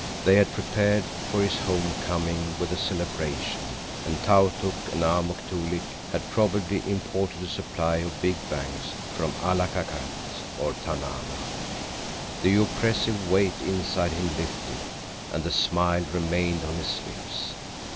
They had prepared for his home coming with a celebration, and Tautuk and Amuk Toolik had probably imported a supply of "bing bangs" from Allakakat or Tanana. The oppressive weight inside him lifted, and the smile remained on his lips.